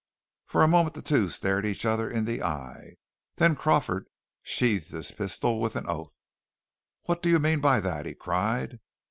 For a moment the two stared each other in the eye. Then Crawford sheathed his pistol with an oath. "What do you mean by that?" he cried.